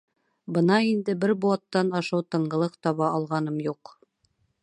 — Бына инде бер быуаттан ашыу тынғылыҡ таба алғаным юҡ.